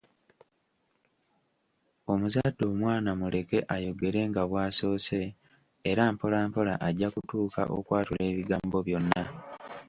Omuzadde omwana muleke ayogere nga bw’asoose, era mpola mpola ajja kutuuka okwatula ebigambo byonna.